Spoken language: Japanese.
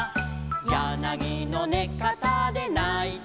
「やなぎのねかたでないている」